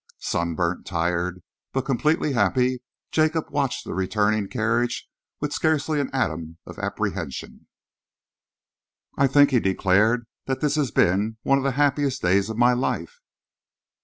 Sunburnt, tired, but completely happy, Jacob watched the returning carriages with scarcely an atom of apprehension. "I think," he declared, "that this has been one of the happiest days of my life."